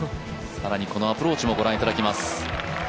更にこのアプローチもご覧いただきます。